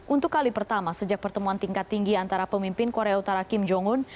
untuk kali pertama sejak pertemuan tingkat tinggi antara pemimpin korea utara kim jong un